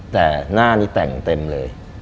แต่หน้านี้แต่งเต็มเลย